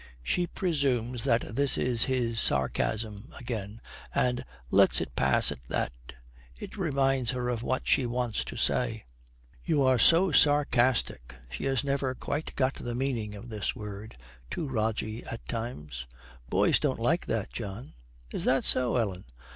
She presumes that this is his sarcasm again, and lets it pass at that. It reminds her of what she wants to say. 'You are so sarcastic,' she has never quite got the meaning of this word, 'to Rogie at times. Boys don't like that, John.' 'Is that so, Ellen?'